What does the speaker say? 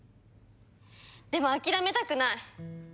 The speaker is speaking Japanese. でも諦めたくない。